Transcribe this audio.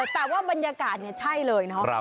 แต่ว่าบรรยากาศเนี่ยใช่เลยเนาะ